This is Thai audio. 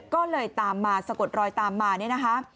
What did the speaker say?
ก็เลยตามมาสะกดรอยตามมาเนี่ยนะคะ